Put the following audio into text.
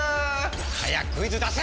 早くクイズ出せ‼